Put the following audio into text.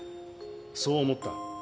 そう思った。